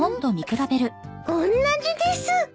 おんなじです。